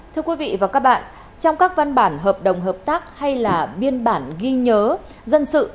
thưa quý vị và các bạn trong các văn bản hợp đồng hợp tác hay là biên bản ghi nhớ dân sự